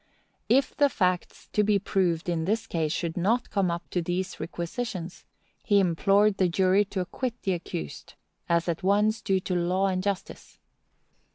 If the facts to be proved in this case should not come up to these requisitions, he implored the jury to acquit the accused, as at once due to law and justice.